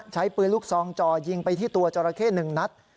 ใช้ปืนลูกซองจ่อยิงไปที่ตัวจราเข้๑นัด